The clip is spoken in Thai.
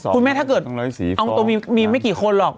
คุณแม่ถ้าเกิดเอาตรงตรงมีไม่กี่คนหรอก